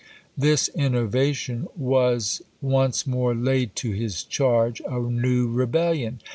This innovation Was once more laid to his charge: a new rebellion!